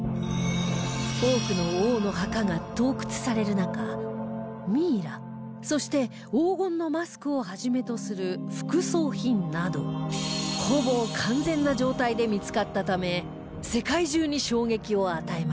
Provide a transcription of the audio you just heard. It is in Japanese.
多くの王の墓が盗掘される中ミイラそして黄金のマスクをはじめとする副葬品などほぼ完全な状態で見付かったため世界中に衝撃を与えました